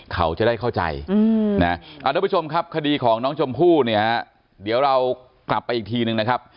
เขาจะได้เข้าใจนะทุกผู้ชมครับคดีของน้องชมพู่เนี่ยเดี๋ยวเรากลับไปอีกทีนึงนะครับ